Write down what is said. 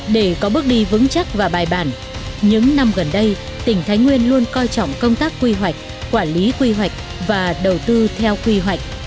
để có bước đi vững chắc và bài bản những năm gần đây tỉnh thái nguyên luôn coi trọng công tác quy hoạch quản lý quy hoạch và đầu tư theo quy hoạch